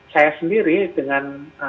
saya sendiri dengan